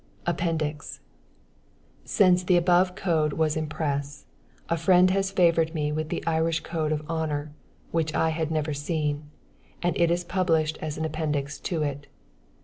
APPENDIX. Since the above Code was in press, a friend has favored me with the IRISH CODE OF HONOR, which I had never seen; and it is published as an Appendix to it.